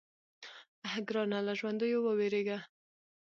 _اه ګرانه! له ژونديو ووېرېږه.